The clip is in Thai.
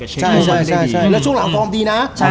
ช่วงหลังฟอร์มดีนะ